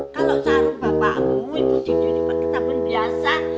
kalau sarung bapakmu itu sih nyuci pengetahuan biasa